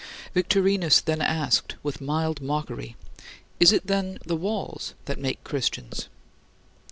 Victorinus then asked, with mild mockery, "Is it then the walls that make Christians?"